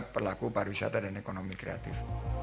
pelaku pariwisata dan ekonomi kreatif